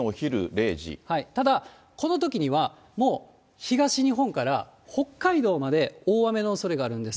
ただ、このときにはもう東日本から北海道まで大雨のおそれがあるんです。